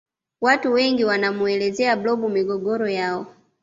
watu wengi wanamuelezea blob migogoro yao